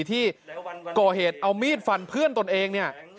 ที่ก่อเหตุเอามีดฟันเพื่อนตนเองเนี่ย